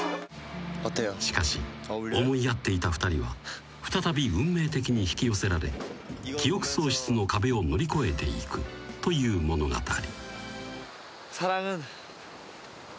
［しかし思い合っていた２人は再び運命的に引き寄せられ記憶喪失の壁を乗り越えていくという物語］